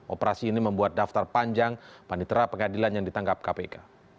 operasi ini membuat daftar panjang panitera pengadilan yang ditangkap kpk